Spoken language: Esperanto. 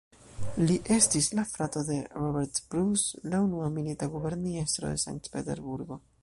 Li estis la frato de "Robert Bruce", la unua milita guberniestro de Sankt-Peterburgo.